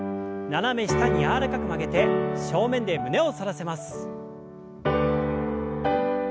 斜め下に柔らかく曲げて正面で胸を反らせます。